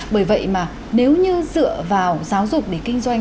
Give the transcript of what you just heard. bởi vậy mà nếu như dựa vào giáo dục để kinh doanh